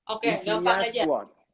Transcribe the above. oke gampang aja